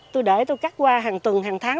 tôi để tôi cắt hoa hàng tuần hàng tháng